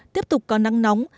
tiếp tục có nắng nóng